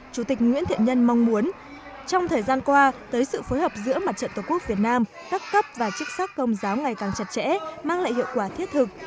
chủ tịch nguyễn thiện nhân mong muốn trong thời gian qua tới sự phối hợp giữa mặt trận tổ quốc việt nam các cấp và chức sắc công giáo ngày càng chặt chẽ mang lại hiệu quả thiết thực